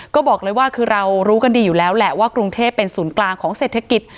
ก็บอกเลยว่าคือเรารู้กันดีอยู่แล้วแหละว่ากรุงเทพเป็นศูนย์กลางของเศรษฐกิจ